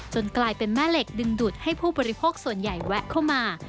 กลายเป็นแม่เหล็กดึงดูดให้ผู้บริโภคส่วนใหญ่แวะเข้ามา